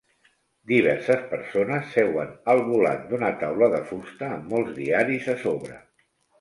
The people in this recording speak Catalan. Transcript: Diverses persones seuen al volant d'una taula de fusta amb molts diaris a sobre